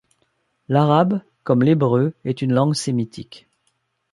L'arabe, comme l'hébreu, est une langue sémitique.